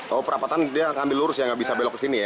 kalau perapatan dia akan ambil lurus ya nggak bisa belok ke sini ya